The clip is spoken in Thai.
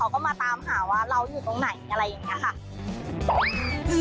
ก็มาตามหาว่าเราอยู่ตรงไหนอะไรอย่างนี้ค่ะ